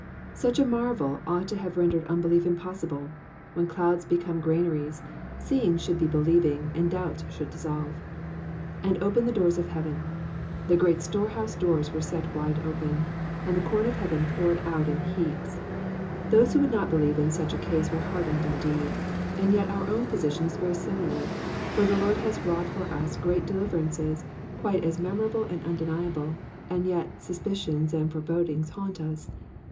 ^* Such a marvel ought to have rendered unbelief impossible : when clouds become granaries, seeing should be believing, and doubts should dissolve. ^'An/l opened the doors of heaven,^ ^ The ereat storehouse doors were set wide open, and the corn of heaven poured out in heaps. Those who would not believe in such a case were hardened indeed ; and yet our own position is very similar, for the Lord has wrought for us great deliverances, quite as memorable and undeniable, and yet suspicions and fore bodings haunt us.